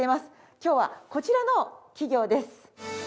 今日はこちらの企業です。